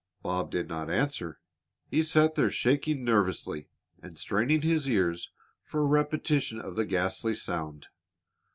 Bob did not answer. He sat there shaking nervously and straining his ears for a repetition of the ghastly sound.